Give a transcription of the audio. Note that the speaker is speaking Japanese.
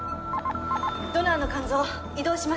ドナーの肝臓移動します。